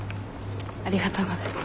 ありがとうございます。